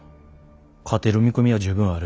勝てる見込みは十分ある。